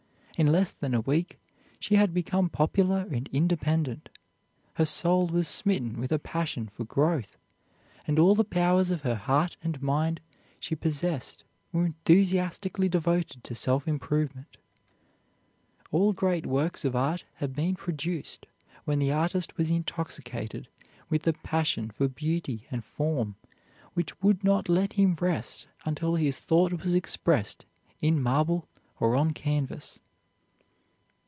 In less than a week she had become popular and independent. Her soul was smitten with a passion for growth, and all the powers of heart and mind she possessed were enthusiastically devoted to self improvement. All great works of art have been produced when the artist was intoxicated with the passion for beauty and form which would not let him rest until his thought was expressed in marble or on canvas.